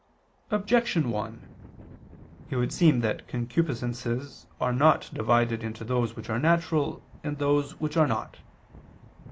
Objection 1: It would seem that concupiscences are not divided into those which are natural and those which are not.